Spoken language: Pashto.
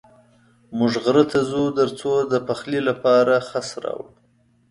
موږ غره ته ځو تر څو د پخلي لپاره خس راوړو.